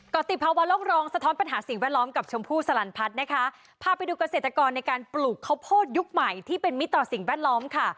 ก็ติดภาวะโลกรองสะท้อนปัญหาสิ่งแวดล้อมกับชมพู่สลันพัฒน์นะคะพาไปดูเกษตรกรในการปลูกข้าวโพดยุคใหม่ที่เป็นมิตรต่อสิ่งแวดล้อมค่ะ